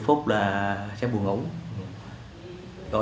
hai mươi phút là sẽ buồn ống